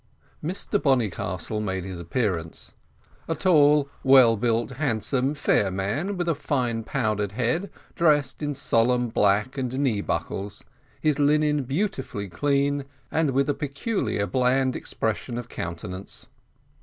Mr Bonnycastle made his appearance a tall, well built, handsome, fair man, with a fine powdered head, dressed in solemn black, and knee buckles; his linen beautifully clean, and with a peculiar bland expression of countenance.